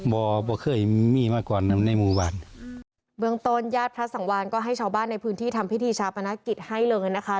เบื้องต้นญาติพระสังวัลก็ให้ชาวบ้านในพื้นที่ทำพิธีชาปนาคิดให้เลยไงนะคะ